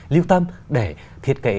lưu tâm để thiết kế